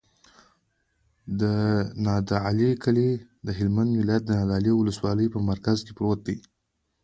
د نادعلي کلی د هلمند ولایت، نادعلي ولسوالي په مرکز کې پروت دی.